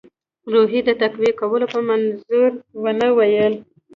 روحیې د تقویه کولو په منظور ونه ویل.